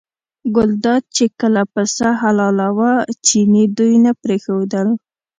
ګلداد چې کله پسه حلالاوه چیني دوی نه پرېښودل.